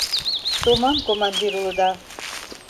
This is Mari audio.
— Томам командир улыда...